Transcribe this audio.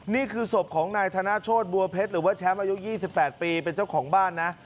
นี่คือศพของนายธนโชธบัวเพชรหรือว่าแชมป์อายุ๒๘ปีเป็นเจ้าของบ้านนะ